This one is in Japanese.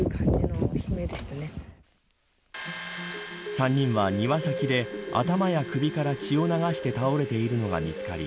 ３人は庭先で頭や首から血を流して倒れているのが見つかり